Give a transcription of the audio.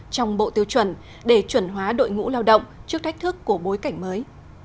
trong bộ tiêu chuẩn để chuẩn hóa đội ngũ lao động trước thách thức của bối cảnh mới